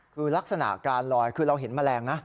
คือลักษณะการลอยคือเราเห็นแมลงนะ